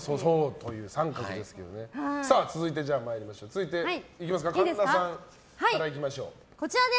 続いて神田さんからいきましょう。